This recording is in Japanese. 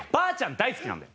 大好きなんだよ。